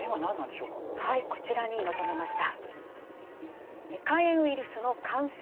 はいこちらにまとめました。